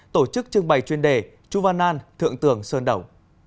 tổ chức trưng bày chuyên đề chu văn an thượng tường sơn đẩu